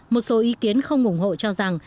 một số ý kiến không ủng hộ cho rằng